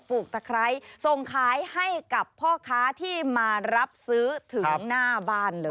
ลูกตะไคร้ส่งขายให้กับพ่อค้าที่มารับซื้อถึงหน้าบ้านเลย